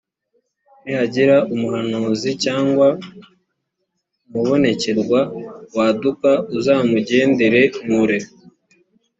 nihagira umuhanuzi cyangwa umubonekerwa waduka uzamugenderenkure,